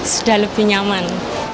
sudah lebih nyaman